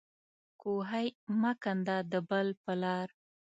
کوهی مه کنده د بل په لار.